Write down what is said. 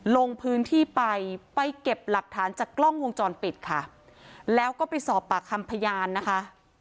ลงพื้นที่ไปไปเก็บหลักฐานจากกล้องวงจรปิดค่ะแล้วก็ไปสอบปากคำพยานนะคะ